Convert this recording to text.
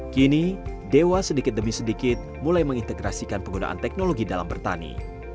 kini dewa sedikit demi sedikit mulai mengintegrasikan penggunaan teknologi dalam bertani